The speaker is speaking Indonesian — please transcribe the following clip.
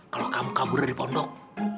kalau kamu kabur dari pondok